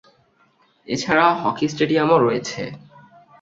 এছাড়া hockey stadium ও রয়েছে।